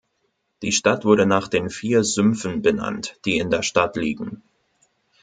Die Stadt wurde nach den vier Sümpfen benannt, die in der Stadt liegen.